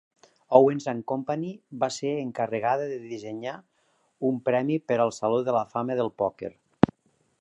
Owens and Company va ser encarregada de dissenyar un premi per al Saló de la Fama del Pòquer.